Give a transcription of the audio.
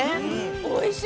おいしい！